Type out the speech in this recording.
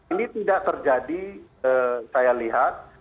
ini tidak terjadi saya lihat